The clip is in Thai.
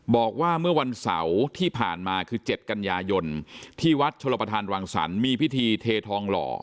บอกว่าเมื่อวันเสาร์ที่ผ่านมาคือ๗กันยายนที่วัดชลประธานวังสรรคมีพิธีเททองหล่อ